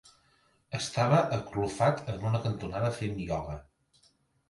Estava aclofat en una cantonada fent ioga.